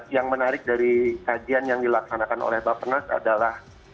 yang menarik dari kajian yang dilaksanakan oleh bapak nas adalah